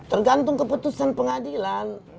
tergantung keputusan pengadilan